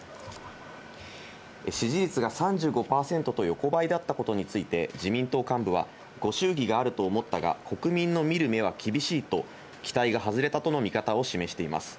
支持率が３５％と横ばいだったことについて、自民党幹部は、ご祝儀があると思ったが、国民の見る目は厳しいと、期待が外れたとの見方を示しています。